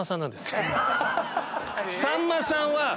さんまさんは。